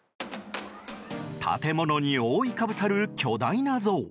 建物に覆いかぶさる巨大な像。